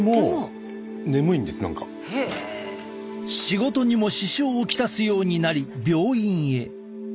仕事にも支障を来すようになり病院へ。